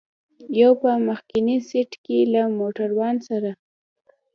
یو په مخکني سېټ کې له موټروان سره.